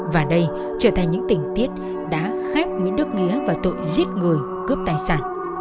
và đây trở thành những tình tiết đã khát nguyễn đức nghĩa vào tội giết người cướp tài sản